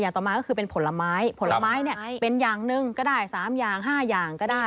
ต่อมาก็คือเป็นผลไม้ผลไม้เนี่ยเป็นอย่างหนึ่งก็ได้๓อย่าง๕อย่างก็ได้